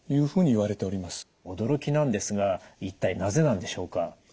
驚きなんですが一体なぜなんでしょうか？